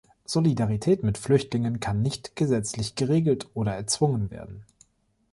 Solidarität mit Flüchtlingen kann nicht gesetzlich geregelt oder erzwungen werden.